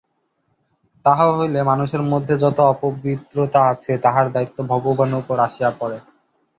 তাহা হইলে মানুষের মধ্যে যত অপবিত্রতা আছে, তাহার দায়িত্ব ভগবানের উপর আসিয়া পড়ে।